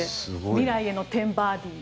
未来への１０バーディー。